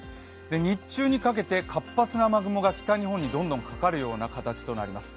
日中にかけて活発な雨雲が北日本にどんどんかかかるような形になります。